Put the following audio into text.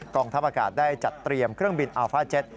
งทัพอากาศได้จัดเตรียมเครื่องบินอัลฟ่าเจ็ต